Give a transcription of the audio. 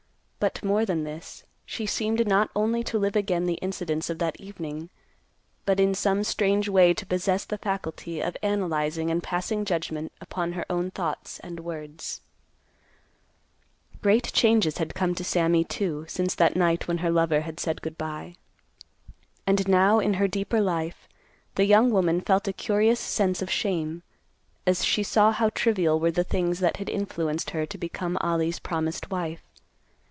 But more than this, she seemed not only to live again the incidents of that evening, but in some strange way to possess the faculty of analyzing and passing judgment upon her own thoughts and words. Great changes had come to Sammy, too, since that night when her lover had said good by. And now, in her deeper life, the young woman felt a curious sense of shame, as she saw how trivial were the things that had influenced her to become Ollie's promised wife.